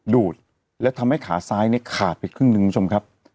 ดูดแล้วทำให้ขาซ้ายเนี่ยขาดไปครึ่งหนึ่งคุณผู้ชมครับ